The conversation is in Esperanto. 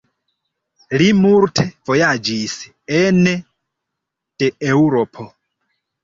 Li multe vojaĝis ene de Eŭropo.